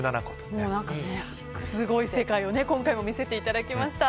すごい世界を今回も見せていただきました。